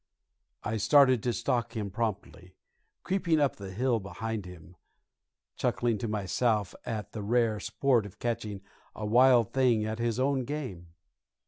I started to stalk him promptly, creeping up the hill behind him, chuckling to myself at the rare sport of catching a wild thing at his own game.